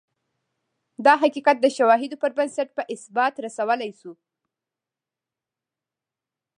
دا حقیقت د شواهدو پر بنسټ په اثبات رسولای شو